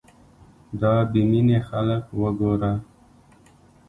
دا بې مينې خلک وګوره